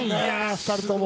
２人とも。